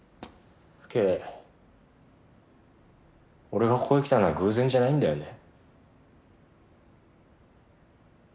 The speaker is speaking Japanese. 俺がここに来たのは偶然じゃないんだよね？